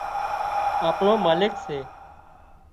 آپڻو مالڪ سي